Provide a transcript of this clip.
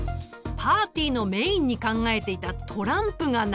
パーティーのメインに考えていたトランプがなかったのだ！